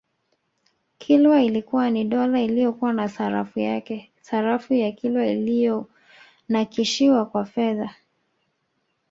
Kilwa ilikuwa ni dola iliyokuwa na sarafu yake sarafu ya Kilwa iliyonakishiwa kwa fedha